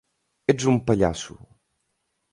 Ets un pallasso!